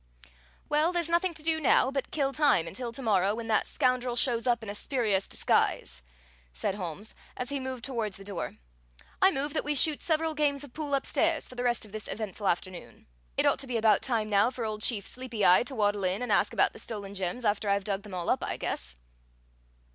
"Well, there's nothing to do now but kill time until to morrow when that scoundrel shows up in a spurious disguise," said Holmes, as he moved toward the door. "I move that we shoot several games of pool upstairs for the rest of this eventful afternoon. "It ought to be about time now for old Chief Sleepy eye to waddle in and ask about the stolen gems, after I've dug them all up, I guess."